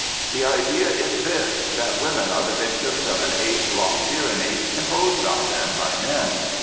The idea is this, that women are the victims of an age long tyranny imposed on them by men.